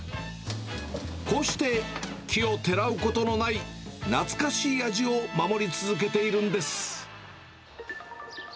こうして奇をてらうことのない懐かしい味を守り続けているんです。